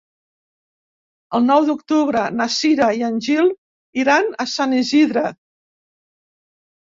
El nou d'octubre na Cira i en Gil iran a Sant Isidre.